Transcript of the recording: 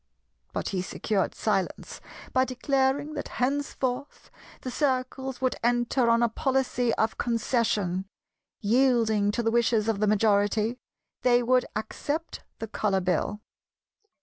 But he secured silence by declaring that henceforth the Circles would enter on a policy of Concession; yielding to the wishes of the majority, they would accept the Colour Bill.